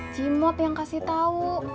cimot yang kasih tanda